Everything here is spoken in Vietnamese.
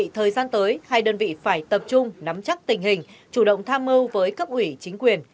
thời gian tới hai đơn vị phải tập trung nắm chắc tình hình chủ động tham mưu với cấp ủy chính quyền